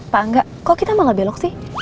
pak angga kok kita malah belok sih